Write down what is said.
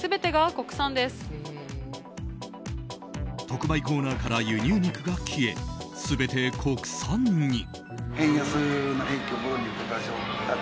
特売コーナーから輸入肉が消え全て国産に。